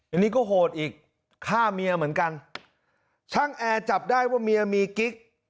อันนี้ก็โหดอีกฆ่าเมียเหมือนกันช่างแอร์จับได้ว่าเมียมีกิ๊ก